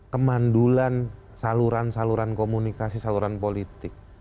kemandulan saluran saluran komunikasi saluran politik